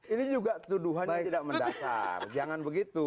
ini juga tuduhan yang tidak mendasar jangan begitu